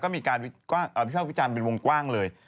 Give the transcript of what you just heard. ก็มีการเอาพี่เป้าพิจารณ์เป็นวงกว้างเลย